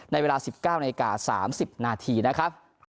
ในเวลา๑๙นาฬิกา๓๐นาทีนะครับ